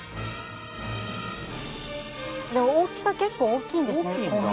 大きさ結構大きいんですね。